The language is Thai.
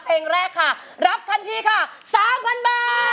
เพลงแรกค่ะรับทันทีค่ะ๓๐๐๐บาท